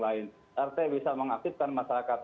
lain rt bisa mengaktifkan masyarakat